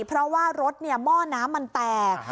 เพราะว่ารถหม้อน้ำมันแตก